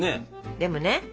でもね